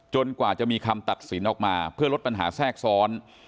กว่าจะมีคำตัดสินออกมาเพื่อลดปัญหาแทรกซ้อน